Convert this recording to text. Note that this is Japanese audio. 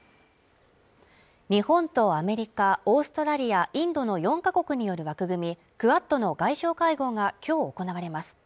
日本とアメリカ、オーストラリア、インドの４か国による枠組みクアッドの外相会合が今日行われます。